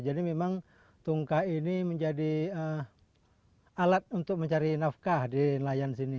jadi memang tungkah ini menjadi alat untuk mencari nafkah di nelayan sini